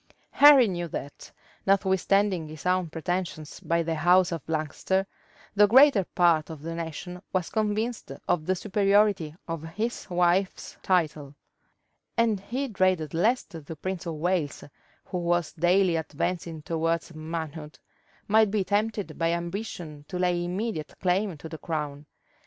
Henry knew that, notwithstanding his own pretensions by the house of Lancaster, the greater part of the nation was convinced of the superiority of his wife's title; and he dreaded lest the prince of Wales, who was daily advancing towards manhood, might be tempted by ambition to lay immediate claim to the crown.